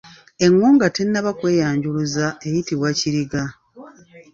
Eŋŋo nga tennaba kweyanjuluza eyitibwa Kiriga.